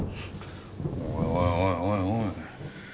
おいおいおいおい。